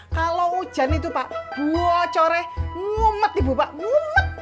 kalau hujan itu pak bocore ngumet ibu pak ngumet